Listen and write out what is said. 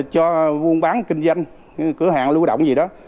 cho buôn bán kinh doanh cửa hàng lưu động gì đó